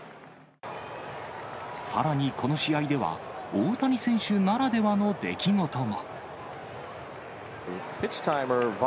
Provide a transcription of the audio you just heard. さらにこの試合では、大谷選手ならではの出来事も。